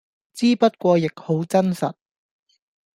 之不過亦好真實